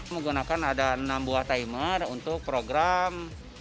menggunakan ada enam buah timer untuk program